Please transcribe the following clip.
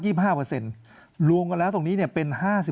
รวมกันแล้วตรงนี้เนี่ยเป็น๕๖